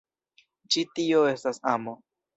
Ĉi tio estas amo.